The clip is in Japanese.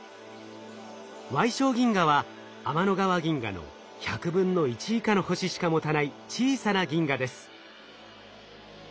矮小銀河は天の川銀河の１００分の１以下の星しか持たない小さな銀河です。